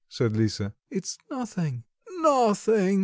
said Lisa, "it's nothing." "Nothing!"